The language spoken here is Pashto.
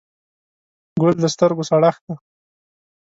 ګل د سترګو سړښت دی.